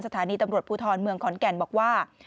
สถานีตำรวจภูทรเมืองขอนแก่นบอกว่า